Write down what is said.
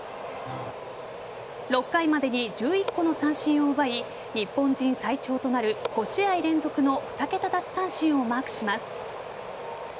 ６回までに１１個の三振を奪い日本人最長となる５試合連続の２桁奪三振をマークします。